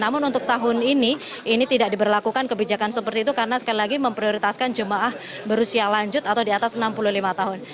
namun untuk tahun ini ini tidak diberlakukan kebijakan seperti itu karena sekali lagi memprioritaskan jemaah berusia lanjut atau di atas enam puluh lima tahun